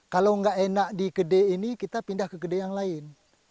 kalau nggak enak di kedai ini kita pindah ke kedai yang lain